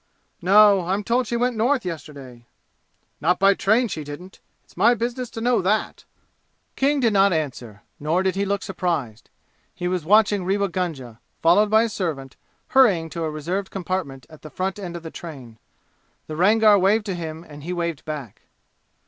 "No. I'm told she went North yesterday." "Not by train, she didn't! It's my business to know that!" King did not answer; nor did he look surprised. He was watching Rewa Gunga, followed by a servant, hurrying to a reserved compartment at the front end of the train. The Rangar waved to him and he waved back.